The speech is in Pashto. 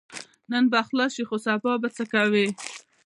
نن به خلاص شې خو سبا به څه کوې؟